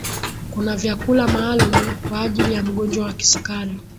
kuna vyakula maalumu kwa ajili ya mgonjwa wa kisukari